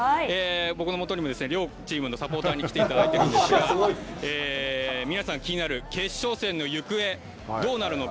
僕のそばにも両チームのサポーターに来ていただいてるんですが皆さん、気になる決勝戦の行方、どうなるのか。